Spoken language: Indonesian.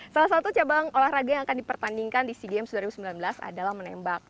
salah satu cabang olahraga yang akan dipertandingkan di sea games dua ribu sembilan belas adalah menembak